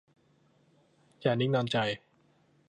อย่านิ่งนอนใจ